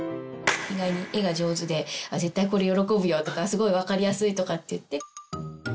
意外に絵が上手で絶対これ喜ぶよとかすごい分かりやすいとかって言って。